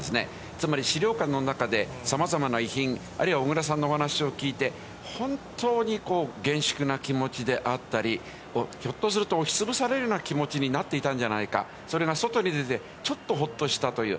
つまり資料館の中でさまざまな遺品、あるいは、小倉さんのお話を聞いて、本当に厳粛な気持ちであったり、ひょっとすると押しつぶされるような気持ちになっていたんじゃないか、それが外に出て、ちょっとほっとしたという。